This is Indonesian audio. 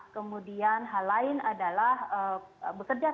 kemudian hal lain adalah bekerja sama dengan penyelenggaraan